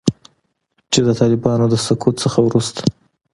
چې د طالبانو د سقوط نه وروسته